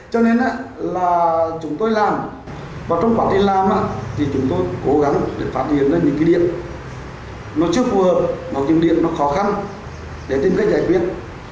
cho nên là chúng tôi làm và trong quá trình làm thì chúng tôi cố gắng để phát hiện ra những cái điểm